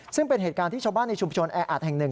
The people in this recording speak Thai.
ซึ่งเป็นเหตุการณ์ที่ชาวบ้านในชุมชนแออัดแห่งหนึ่ง